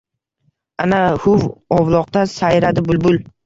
Ana, huv ovloqda sayradi bulbul.